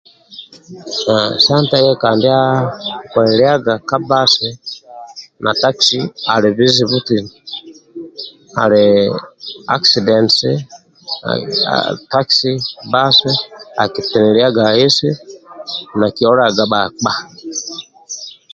Aha sa ntegeka ndia koliliaga ka bbasi na takisi ali buzibu tina?, ali akisidentisi, ehi takisi, bbasi akiteliliaga ahisi nakiolaga bhakpa